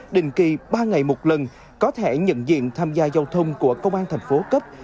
đình kỳ ba ngày một lần có thể nhận diện tham gia giao thông của công an thành phố cấp